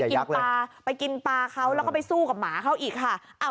กินปลาไปกินปลาเขาแล้วก็ไปสู้กับหมาเขาอีกค่ะ